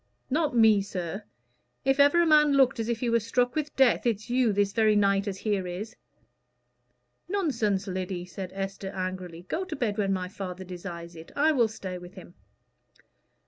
"Not me, sir. If ever a man looked as if he was struck with death, it's you, this very night as here is." "Nonsense, Lyddy," said Esther, angrily. "Go to bed when my father desires it. I will stay with him."